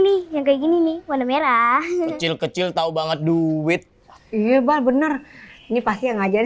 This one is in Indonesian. nih yang kayak gini nih warna merah kecil kecil tahu banget duit bener ini pasti yang ngajarin